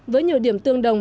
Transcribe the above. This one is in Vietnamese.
với nhiều điểm tương đồng